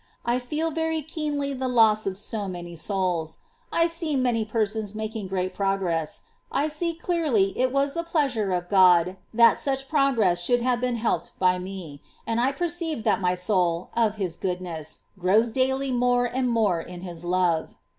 I feel very keenly the loss of so many souls. I see many persons making great progress ; I see clearly it was the pleasure of Grod that such progress should have been helped by me ; and I perceive that my soul, of His goodness, grows daily more and more in His love.